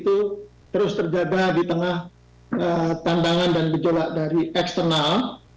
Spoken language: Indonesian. itu terus terjaga di tengah tantangan dan gejolak dari eksternal